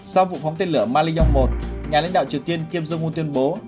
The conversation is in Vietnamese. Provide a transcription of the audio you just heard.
sau vụ phóng tên lửa mali yong một nhà lãnh đạo triều tiên kim jong un tuyên bố